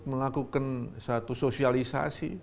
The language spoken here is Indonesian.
melakukan satu sosialisasi